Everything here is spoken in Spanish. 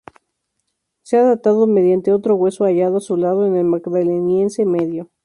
Se ha datado, mediante otro hueso hallado a su lado, en el Magdaleniense Medio.